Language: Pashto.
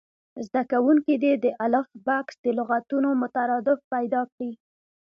زده کوونکي دې د الف بکس د لغتونو مترادف پیدا کړي.